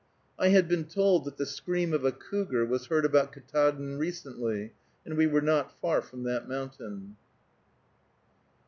I had been told that the scream of a cougar was heard about Ktaadn recently, and we were not far from that mountain.